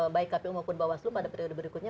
baik kpu maupun bawaslu pada periode berikutnya